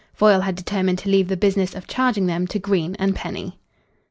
Foyle had determined to leave the business of charging them to Green and Penny.